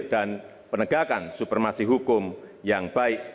dan penegakan supremasi hukum yang baik